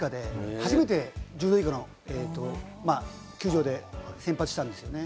始めて１０度以下の球場で先発したんですね。